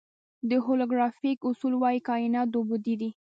د هولوګرافیک اصول وایي کائنات دوه بعدی دی.